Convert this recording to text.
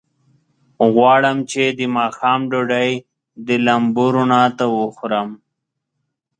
غواړم چې د ماښام ډوډۍ د لمبو رڼا ته وخورم.